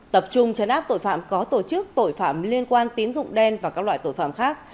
tập trung chấn áp tội phạm có tổ chức tội phạm liên quan tín dụng đen và các loại tội phạm khác